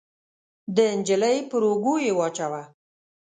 د نجلۍ پر اوږو يې واچاوه.